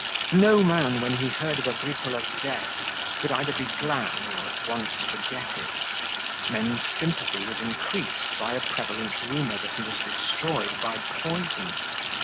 No man when he heard of Agricola's death could either be glad or at once forget it. Men's sympathy was increased by a prevalent rumour that he was destroyed by poison.